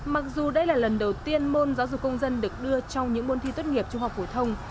mặc dù đây là lần đầu tiên môn giáo dục công dân được đưa trong những môn thi tốt nghiệp trung học phổ thông